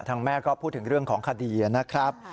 แม่ก็พูดถึงเรื่องของคดีนะครับ